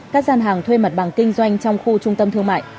các gian hàng thuê mặt bằng kinh doanh trong khu trung tâm thương mại